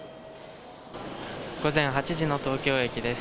午前８時の東京駅です。